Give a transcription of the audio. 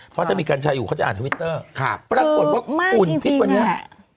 เพราะถ้ามีกัญชาอยู่เขาจะอ่านทวิตเตอร์ปรากฏว่าฝุ่นทิศวันนี้